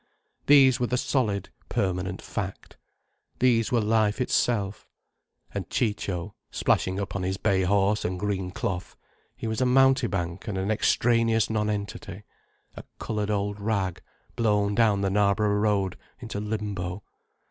These were the solid, permanent fact. These were life itself. And Ciccio, splashing up on his bay horse and green cloth, he was a mountebank and an extraneous nonentity, a coloured old rag blown down the Knarborough Road into Limbo.